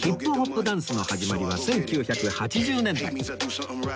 ダンスの始まりは１９８０年代